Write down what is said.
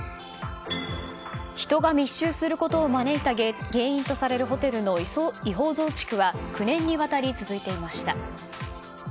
人が密集することを招いた原因とされるホテルの違法増築は９年にわたり続いていました。